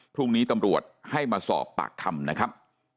พรุ่งนี้ตำรวจให้มาสอบปากคำนะครับ